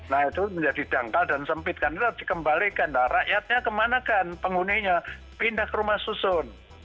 nah itu menjadi jangkal dan sempit karena harus dikembalikan lah rakyatnya kemana kan penghuninya pindah ke rumah susun